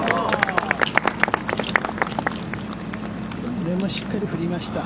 これもしっかり振りました。